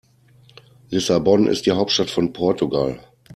Lissabon ist die Hauptstadt von Portugal.